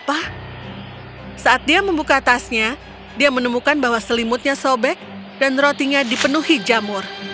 saat dia membuka tasnya dia menemukan bahwa selimutnya sobek dan rotinya dipenuhi jamur